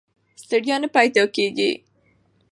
ستړیا نه پیدا کېږي.